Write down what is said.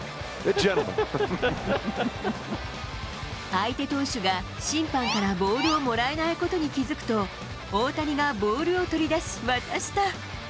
相手投手が審判からボールをもらえないことに気付くと、大谷がボールを取り出し、渡した。